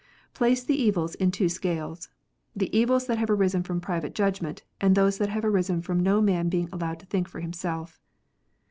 Place the evils in two scales, the evils that have arisen from private judgment, and those that have arisen from no man being allowed to think for himself.